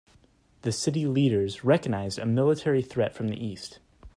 The city leaders recognized a military threat from the east.